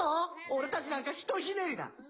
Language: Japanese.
俺たちなんかひとひねりだ！